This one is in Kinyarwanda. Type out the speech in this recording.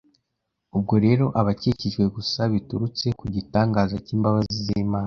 ubwo rero aba akijijwe gusa biturutse ku gitangaza cy’imbabazi z’Imana